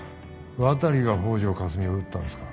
渡が北條かすみを撃ったんですか？